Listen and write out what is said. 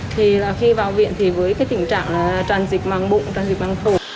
thì là khi vào viện thì với cái tình trạng là tràn dịch bằng bụng tràn dịch bằng khổ